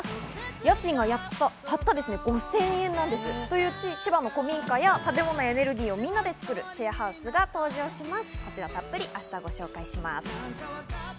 家賃がたった５０００円の千葉の古民家や食べ物やエネルギーをみんなでつくるシェアハウスが登場します。